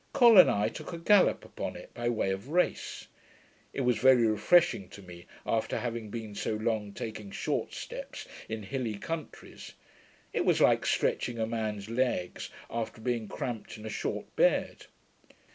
Col and I took a gallop upon it by way of race. It was very refreshing to me, after having been so long taking short steps in hilly countries. It was like stretching a man's legs after being cramped in a short bed.